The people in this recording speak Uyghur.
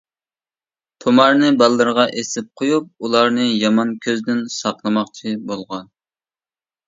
تۇمارنى بالىلىرىغا ئېسىپ قويۇپ، ئۇلارنى يامان كۆزدىن ساقلىماقچى بولغان.